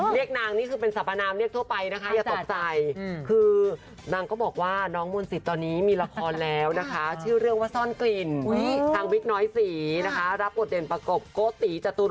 เรียกนางนี่คือเป็นสับปะนามเรียกทั่วไปนะคะ